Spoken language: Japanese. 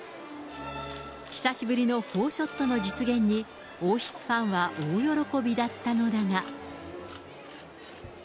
久しぶりの４ショットの実現に、王室ファンは大喜びだったのだが。